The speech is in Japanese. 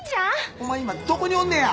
お前今どこにおんのや？